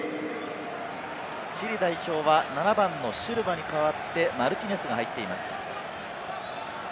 チリ代表は７番のシルバに代わってマルティネスが入っています。